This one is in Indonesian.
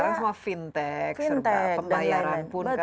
sekarang semua fintech serba pembayaran pun kan lewat pembayaran digital